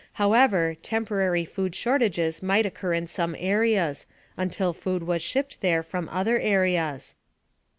However, temporary food shortages might occur in some areas, until food was shipped there from other areas.